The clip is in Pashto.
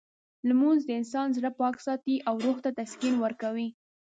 لمونځ د انسان زړه پاک ساتي او روح ته تسکین ورکوي.